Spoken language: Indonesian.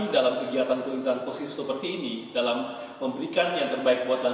dan kalau ada beberapa pen centang yang ingin diminta